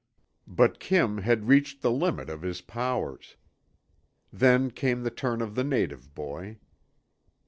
'" But Kim had reached the limit of his powers. Then came the turn of the native boy.